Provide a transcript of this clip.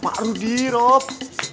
nggak pandi rob